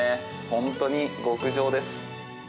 本当に極上です！